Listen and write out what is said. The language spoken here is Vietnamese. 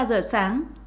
mới ba giờ sáng